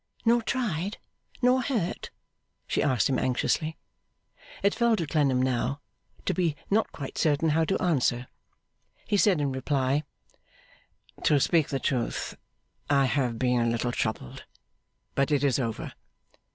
'Nor tried? Nor hurt?' she asked him, anxiously. It fell to Clennam now, to be not quite certain how to answer. He said in reply: 'To speak the truth, I have been a little troubled, but it is over.